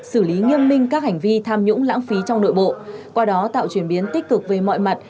xử lý nghiêm minh các hành vi tham nhũng lãng phí trong nội bộ qua đó tạo chuyển biến tích cực về mọi mặt